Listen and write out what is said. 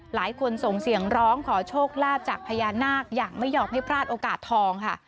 ส่งเสียงร้องขอโชคลาภจากพญานาคอย่างไม่ยอมให้พลาดโอกาสทองค่ะ